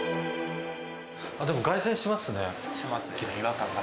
でも、外旋しますね。